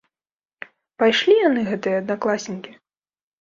Пайшлі яны, гэтыя аднакласнікі.